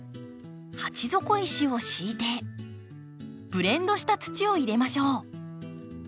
鉢底石を敷いてブレンドした土を入れましょう。